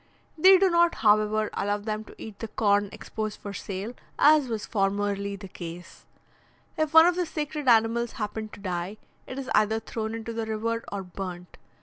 They do not, however, allow them to eat the corn exposed for sale, as was formerly the case. If one of the sacred animals happen to die, it is either thrown into the river or burnt.